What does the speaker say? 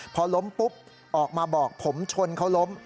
พอล้มปุ๊บออกมาบอกผมชนเขาล้ม